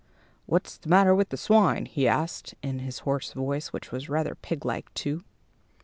"What's the matter with the swine?" he asked in his hoarse voice, which was rather piglike, too.